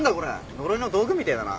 呪いの道具みてえだな。